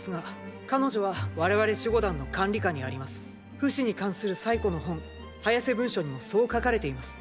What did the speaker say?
フシに関する最古の本ハヤセ文書にもそう書かれています。